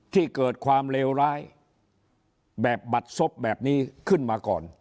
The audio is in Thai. ที่เกิดความเลวร้ายแบบบัดซบแบบนี้ขึ้นมาก่อน